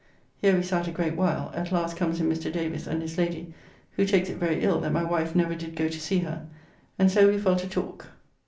Here we sat a great while, at last comes in Mr. Davis and his lady (who takes it very ill that my wife never did go to see her), and so we fell to talk.